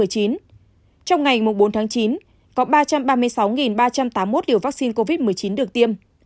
trong ngày bốn tháng chín có ba trăm ba mươi sáu ba trăm tám mươi một liều vaccine covid một mươi chín được tiêm